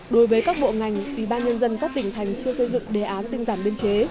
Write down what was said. đối với các bộ ngành ubnd các tỉnh thành chưa xây dựng đề án tinh giản biên chế